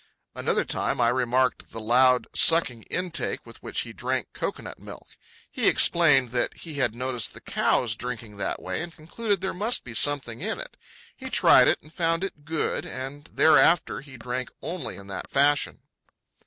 Another time I remarked the loud, sucking intake with which he drank cocoanut milk. He explained that he had noticed the cows drinking that way and concluded there must be something in it. He tried it and found it good, and thereafter he drank only in that fashion.